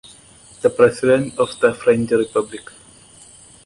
The President of the French Republic.